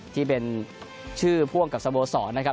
ที่เป็นชื่อพ่วงกับสโมสรนะครับ